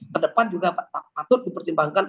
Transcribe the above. ke depan juga patut dipercimpangkan